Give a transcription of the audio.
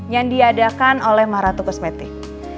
yang diadakan oleh maharatu kosmetik